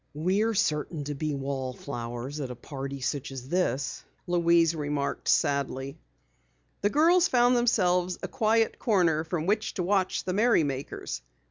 "We're certain to be wall flowers at a party such as this," Louise remarked sadly. The girls found themselves a quiet corner from which to watch the merrymakers.